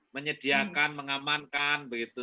menyediakan mengamankan begitu